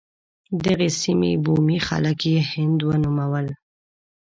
دغې سیمې بومي خلک یې هند ونومول.